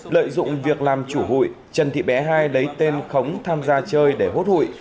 lợi dụng việc làm chủ hội trần tị bé hai lấy tên khống tham gia chơi để hốt hội